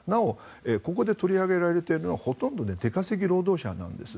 ここで取り上げられているのはほとんど出稼ぎ労働者なんです。